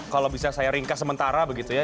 kalau bisa saya ringkas sementara begitu ya